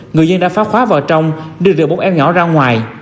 người dân đã phá khóa vào trong đưa được một em nhỏ ra ngoài